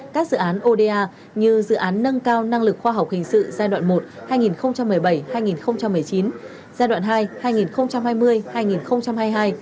các dự án oda như dự án nâng cao năng lực khoa học hình sự giai đoạn một hai nghìn một mươi bảy hai nghìn một mươi chín giai đoạn hai hai nghìn hai mươi hai nghìn hai mươi hai